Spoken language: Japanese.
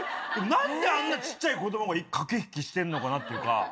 何であんな小っちゃい子どもも駆け引きしてんのかなっていうか。